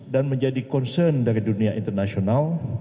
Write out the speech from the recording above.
dan menjadi concern dari dunia internasional